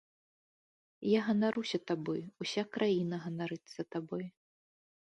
Я ганаруся табой, уся краіна ганарыцца табой.